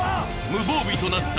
無防備となった